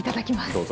どうぞ。